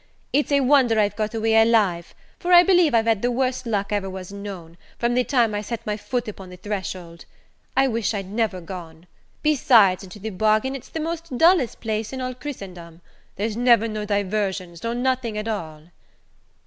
It's a wonder I've got away alive; for I believe I've had the worst luck ever was known, from the time I set my foot upon the threshold. I know I wish I'd never a gone. Besides, into the bargain, it's the most dullest place in all Christendom: there's never no diversions, nor nothing at all."